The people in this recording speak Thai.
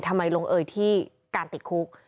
ทำไมลงเอยที่การติดคุก